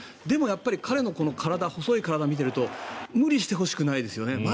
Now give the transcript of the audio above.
でも、彼の細い体を見ていると無理してほしくないですよね。